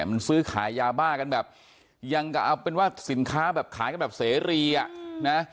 มันซื้อขายยาบ้ากันแบบยังก็เอาเป็นว่าสินค้าแบบขายกันแบบเสรีอ่ะนะ